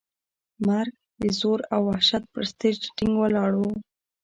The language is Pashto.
مرګ د زور او وحشت پر سټېج ټینګ ولاړ و.